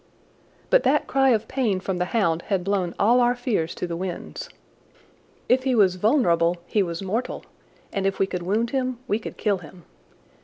But that cry of pain from the hound had blown all our fears to the winds. If he was vulnerable he was mortal, and if we could wound him we could kill him.